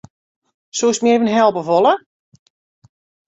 Soest my even helpe wolle?